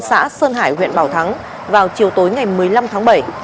xã sơn hải huyện bảo thắng vào chiều tối ngày một mươi năm tháng bảy